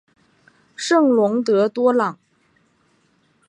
圣龙德多朗。